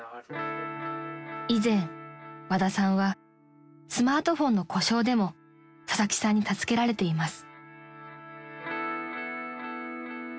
［以前和田さんはスマートフォンの故障でも佐々木さんに助けられています］